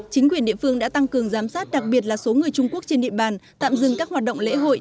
chính quyền địa phương đã tăng cường giám sát đặc biệt là số người trung quốc trên địa bàn tạm dừng các hoạt động lễ hội